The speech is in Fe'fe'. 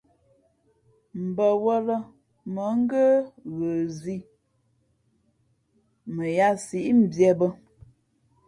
Mbαwᾱlᾱ mα̌ ngə́ ghə zǐ mα yāā síʼ mbīē bᾱ.